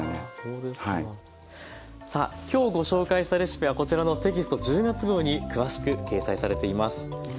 さあ今日ご紹介したレシピはこちらのテキスト１０月号に詳しく掲載されています。